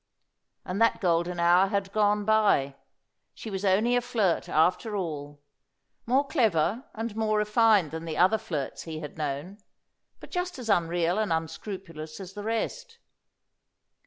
And that golden hour had gone by. She was only a flirt, after all; more clever and more refined than the other flirts he had known, but just as unreal and unscrupulous as the rest.